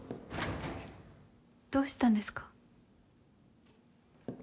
どうしたんですか？